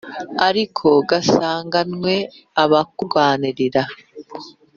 Ariko gasanganwe abakurwanira